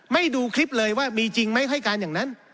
ดูคลิปเลยว่ามีจริงไหมให้การอย่างนั้น